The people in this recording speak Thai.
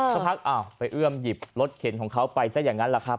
สักพักอ้าวไปเอื้อมหยิบรถเข็นของเขาไปซะอย่างนั้นแหละครับ